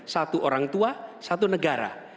satu orang tua satu negara